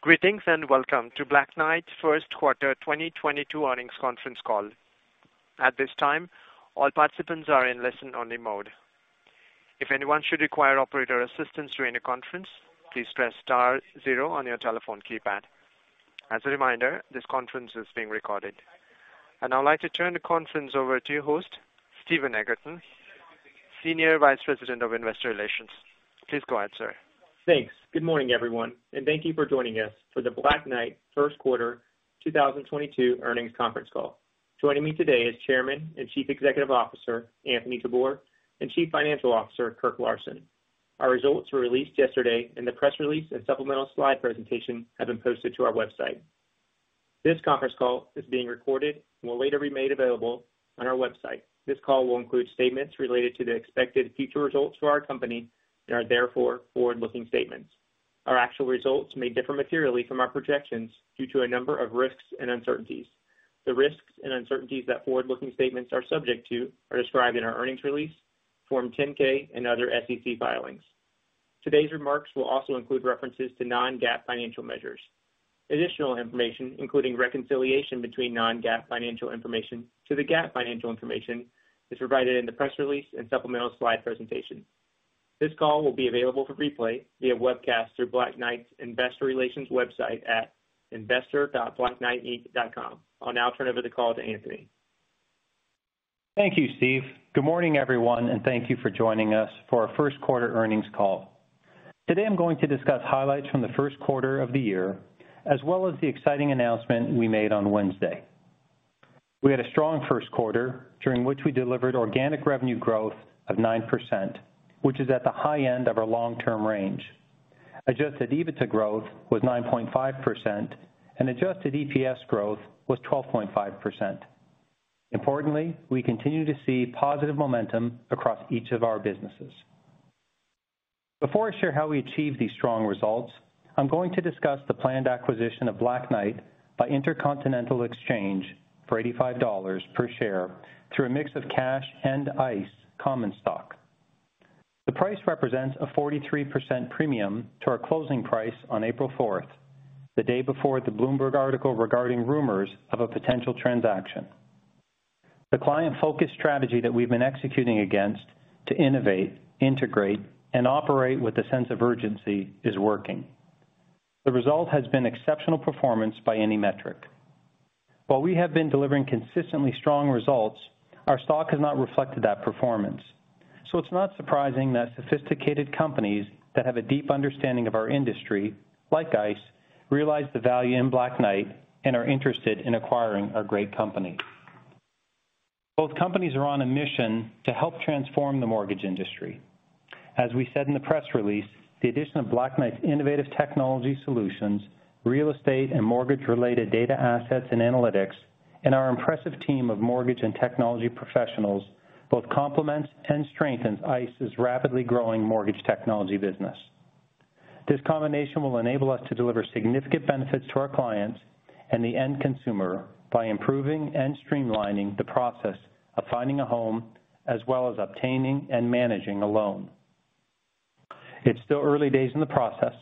Greetings, welcome to Black Knight first quarter 2022 earnings conference call. At this time, all participants are in listen-only mode. If anyone should require operator assistance during the conference, please press star zero on your telephone keypad. As a reminder, this conference is being recorded. I would now like to turn the conference over to your host, Steve Eagerton, Senior Vice President of Investor Relations. Please go ahead, sir. Thanks. Good morning, everyone, and thank you for joining us for the Black Knight first quarter 2022 earnings conference call. Joining me today is Chairman and Chief Executive Officer, Anthony Jabbour, and Chief Financial Officer, Kirk Larsen. Our results were released yesterday, and the press release and supplemental slide presentation have been posted to our website. This conference call is being recorded and will later be made available on our website. This call will include statements related to the expected future results for our company and are therefore forward-looking statements. Our actual results may differ materially from our projections due to a number of risks and uncertainties. The risks and uncertainties that forward-looking statements are subject to are described in our earnings release, Form 10-K and other SEC filings. Today's remarks will also include references to non-GAAP financial measures. Additional information, including reconciliation between non-GAAP financial information to the GAAP financial information, is provided in the press release and supplemental slide presentation. This call will be available for replay via webcast through Black Knight's investor relations website at investor.blackknightinc.com. I'll now turn over the call to Anthony. Thank you, Steve. Good morning, everyone, and thank you for joining us for our first quarter earnings call. Today, I'm going to discuss highlights from the first quarter of the year, as well as the exciting announcement we made on Wednesday. We had a strong first quarter during which we delivered organic revenue growth of 9%, which is at the high end of our long-term range. Adjusted EBITDA growth was 9.5% and Adjusted EPS growth was 12.5%. Importantly, we continue to see positive momentum across each of our businesses. Before I share how we achieve these strong results, I'm going to discuss the planned acquisition of Black Knight by Intercontinental Exchange for $85 per share through a mix of cash and ICE common stock. The price represents a 43% premium to our closing price on April 4th, the day before the Bloomberg article regarding rumors of a potential transaction. The client-focused strategy that we've been executing against to innovate, integrate, and operate with a sense of urgency is working. The result has been exceptional performance by any metric. While we have been delivering consistently strong results, our stock has not reflected that performance. It's not surprising that sophisticated companies that have a deep understanding of our industry, like ICE, realize the value in Black Knight and are interested in acquiring our great company. Both companies are on a mission to help transform the mortgage industry. As we said in the press release, the addition of Black Knight's innovative technology solutions, real estate and mortgage-related data assets and analytics, and our impressive team of mortgage and technology professionals both complements and strengthens ICE's rapidly growing mortgage technology business. This combination will enable us to deliver significant benefits to our clients and the end consumer by improving and streamlining the process of finding a home, as well as obtaining and managing a loan. It's still early days in the process.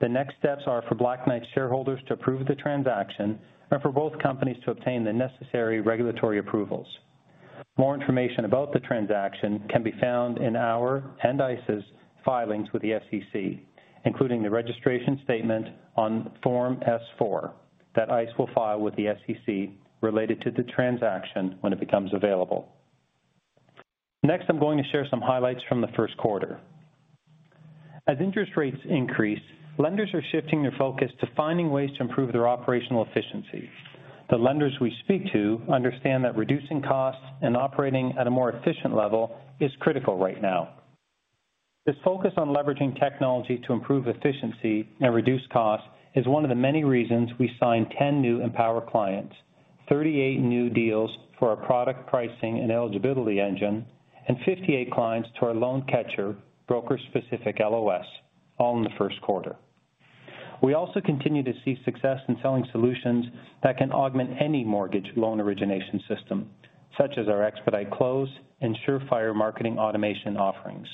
The next steps are for Black Knight shareholders to approve the transaction and for both companies to obtain the necessary regulatory approvals. More information about the transaction can be found in our and ICE's filings with the SEC, including the registration statement on Form S-4 that ICE will file with the SEC related to the transaction when it becomes available. Next, I'm going to share some highlights from the first quarter. As interest rates increase, lenders are shifting their focus to finding ways to improve their operational efficiency. The lenders we speak to understand that reducing costs and operating at a more efficient level is critical right now. This focus on leveraging technology to improve efficiency and reduce costs is one of the many reasons we signed 10 new Empower clients, 38 new deals for our product pricing and eligibility engine, and 58 clients to our LoanCatcher broker-specific LOS, all in the first quarter. We also continue to see success in selling solutions that can augment any mortgage loan origination system, such as our Expedite Close and Surefire marketing automation offerings.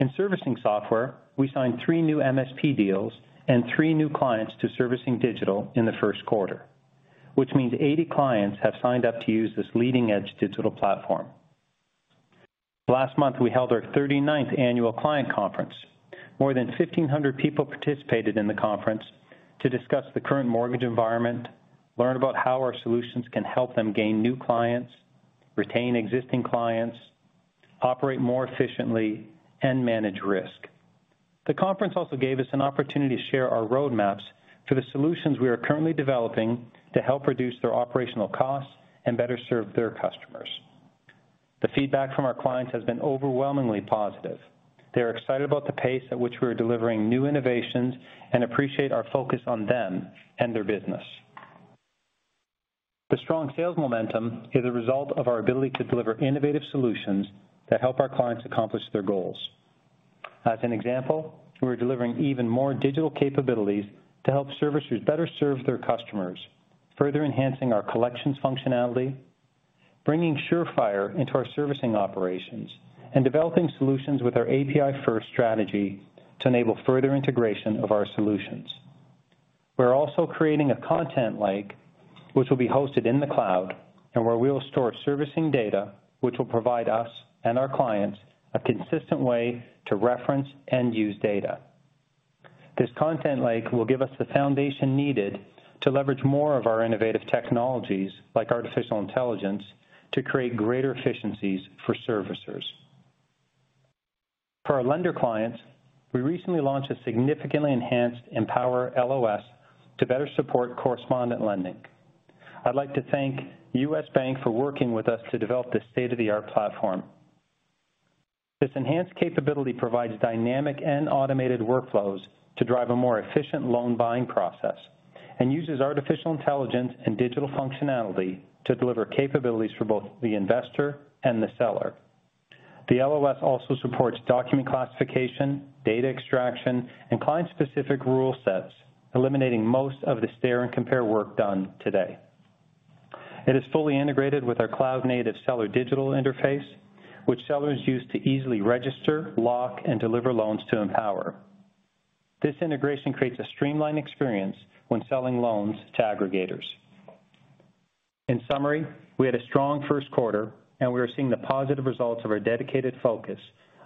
In servicing software, we signed three new MSP deals and three new clients to Servicing Digital in the first quarter, which means 80 clients have signed up to use this leading-edge digital platform. Last month, we held our 39th annual client conference. More than 1,500 people participated in the conference to discuss the current mortgage environment, learn about how our solutions can help them gain new clients, retain existing clients, operate more efficiently, and manage risk. The conference also gave us an opportunity to share our roadmaps for the solutions we are currently developing to help reduce their operational costs and better serve their customers. The feedback from our clients has been overwhelmingly positive. They are excited about the pace at which we are delivering new innovations and appreciate our focus on them and their business. The strong sales momentum is a result of our ability to deliver innovative solutions that help our clients accomplish their goals. As an example, we're delivering even more digital capabilities to help servicers better serve their customers, further enhancing our collections functionality. Bringing Surefire into our servicing operations and developing solutions with our API-first strategy to enable further integration of our solutions. We're also creating a data lake which will be hosted in the cloud and where we will store servicing data, which will provide us and our clients a consistent way to reference and use data. This data lake will give us the foundation needed to leverage more of our innovative technologies, like artificial intelligence, to create greater efficiencies for servicers. For our lender clients, we recently launched a significantly enhanced Empower LOS to better support correspondent lending. I'd like to thank U.S. Bank for working with us to develop this state-of-the-art platform. This enhanced capability provides dynamic and automated workflows to drive a more efficient loan buying process and uses artificial intelligence and digital functionality to deliver capabilities for both the investor and the seller. The LOS also supports document classification, data extraction, and client-specific rule sets, eliminating most of the stare and compare work done today. It is fully integrated with our cloud-native seller digital interface, which sellers use to easily register, lock, and deliver loans to Empower. This integration creates a streamlined experience when selling loans to aggregators. In summary, we had a strong first quarter and we are seeing the positive results of our dedicated focus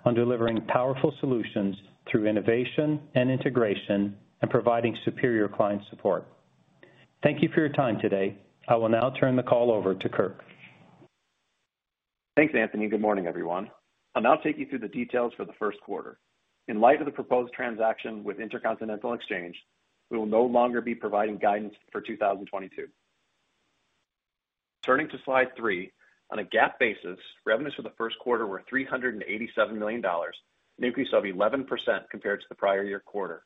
on delivering powerful solutions through innovation and integration and providing superior client support. Thank you for your time today. I will now turn the call over to Kirk. Thanks, Anthony. Good morning, everyone. I'll now take you through the details for the first quarter. In light of the proposed transaction with Intercontinental Exchange, we will no longer be providing guidance for 2022. Turning to slide three. On a GAAP basis, revenues for the first quarter were $387 million, an increase of 11% compared to the prior year quarter.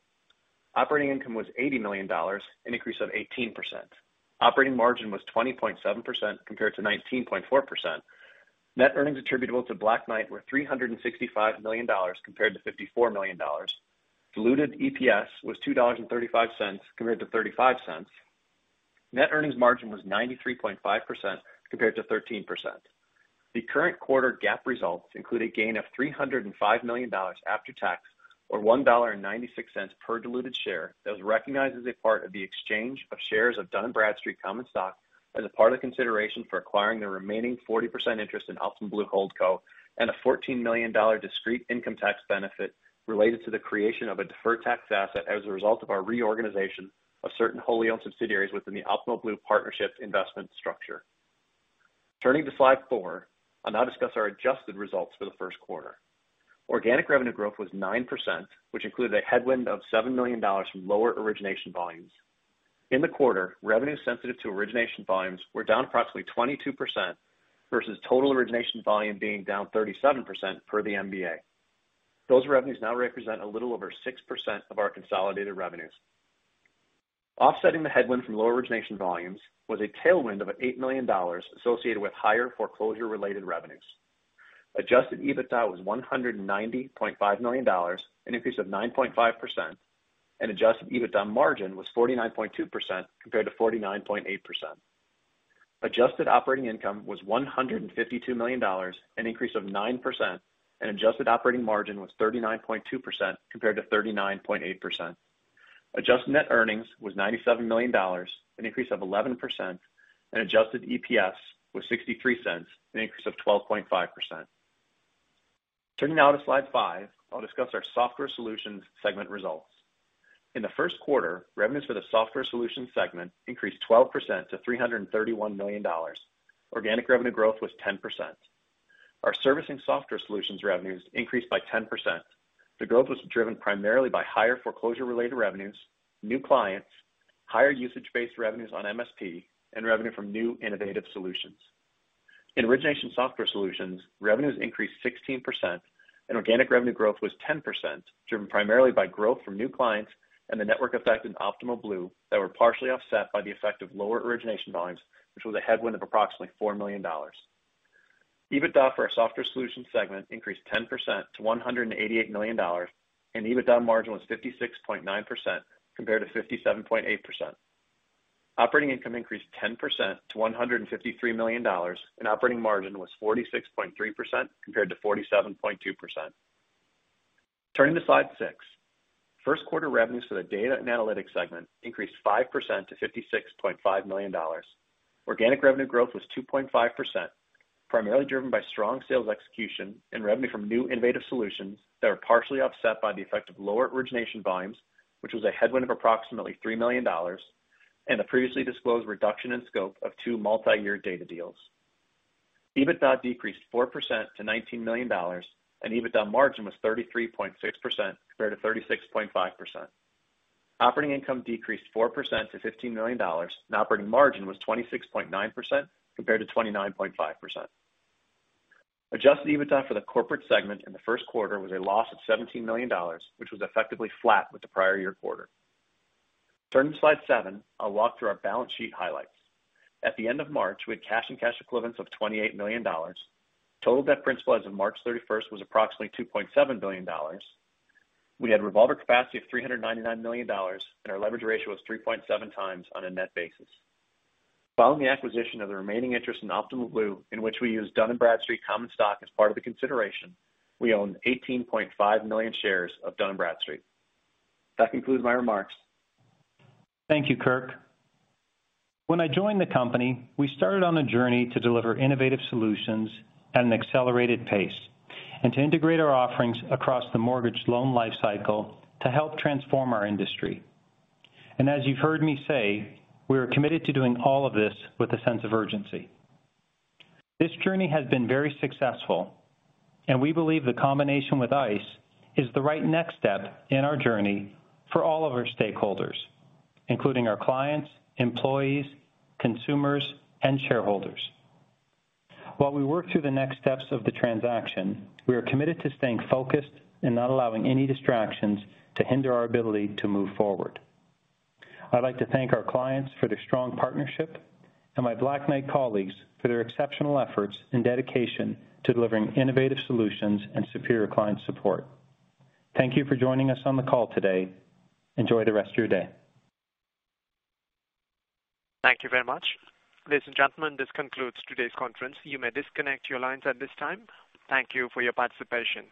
Operating income was $80 million, an increase of 18%. Operating margin was 20.7% compared to 19.4%. Net earnings attributable to Black Knight were $365 million compared to $54 million. Diluted EPS was $2.35 compared to $0.35. Net earnings margin was 93.5% compared to 13%. The current quarter GAAP results include a gain of $305 million after tax, or $1.96 per diluted share that was recognized as a part of the exchange of shares of Dun & Bradstreet common stock as a part of consideration for acquiring the remaining 40% interest in Optimal Blue Holdco and a $14 million discrete income tax benefit related to the creation of a deferred tax asset as a result of our reorganization of certain wholly owned subsidiaries within the Optimal Blue partnership's investment structure. Turning to slide four, I'll now discuss our adjusted results for the first quarter. Organic revenue growth was 9%, which included a headwind of $7 million from lower origination volumes. In the quarter, revenue sensitive to origination volumes were down approximately 22% versus total origination volume being down 37% per the MBA. Those revenues now represent a little over 6% of our consolidated revenues. Offsetting the headwind from lower origination volumes was a tailwind of $8 million associated with higher foreclosure-related revenues. Adjusted EBITDA was $190.5 million, an increase of 9.5%. Adjusted EBITDA margin was 49.2% compared to 49.8%. Adjusted operating income was $152 million, an increase of 9%. Adjusted operating margin was 39.2% compared to 39.8%. Adjusted net earnings was $97 million, an increase of 11%. Adjusted EPS was $0.63, an increase of 12.5%. Turning now to slide five, I'll discuss our software solutions segment results. In the first quarter, revenues for the software solutions segment increased 12% to $331 million. Organic revenue growth was 10%. Our servicing software solutions revenues increased by 10%. The growth was driven primarily by higher foreclosure-related revenues, new clients, higher usage-based revenues on MSP, and revenue from new innovative solutions. In origination software solutions, revenues increased 16%, and organic revenue growth was 10%, driven primarily by growth from new clients and the network effect in Optimal Blue that were partially offset by the effect of lower origination volumes, which was a headwind of approximately $4 million. EBITDA for our software solutions segment increased 10% to $188 million, and EBITDA margin was 56.9% compared to 57.8%. Operating income increased 10% to $153 million, and operating margin was 46.3% compared to 47.2%. Turning to slide six. First quarter revenues for the data and analytics segment increased 5% to $56.5 million. Organic revenue growth was 2.5%, primarily driven by strong sales execution and revenue from new innovative solutions that were partially offset by the effect of lower origination volumes, which was a headwind of approximately $3 million and a previously disclosed reduction in scope of two multi-year data deals. EBITDA decreased 4% to $19 million, and EBITDA margin was 33.6% compared to 36.5%. Operating income decreased 4% to $15 million, and operating margin was 26.9% compared to 29.5%. Adjusted EBITDA for the corporate segment in the first quarter was a loss of $17 million, which was effectively flat with the prior year quarter. Turning to slide seven, I'll walk through our balance sheet highlights. At the end of March, we had cash and cash equivalents of $28 million. Total debt principal as of March 31st was approximately $2.7 billion. We had revolver capacity of $399 million, and our leverage ratio was 3.7x on a net basis. Following the acquisition of the remaining interest in Optimal Blue, in which we used Dun & Bradstreet common stock as part of the consideration, we own 18.5 million shares of Dun & Bradstreet. That concludes my remarks. Thank you, Kirk. When I joined the company, we started on a journey to deliver innovative solutions at an accelerated pace and to integrate our offerings across the mortgage loan life cycle to help transform our industry. As you've heard me say, we are committed to doing all of this with a sense of urgency. This journey has been very successful, and we believe the combination with ICE is the right next step in our journey for all of our stakeholders, including our clients, employees, consumers, and shareholders. While we work through the next steps of the transaction, we are committed to staying focused and not allowing any distractions to hinder our ability to move forward. I'd like to thank our clients for their strong partnership and my Black Knight colleagues for their exceptional efforts and dedication to delivering innovative solutions and superior client support. Thank you for joining us on the call today. Enjoy the rest of your day. Thank you very much. Ladies and gentlemen, this concludes today's conference. You may disconnect your lines at this time. Thank you for your participation.